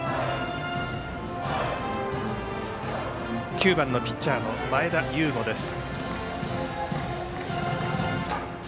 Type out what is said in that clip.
９番のピッチャーの前田悠伍です。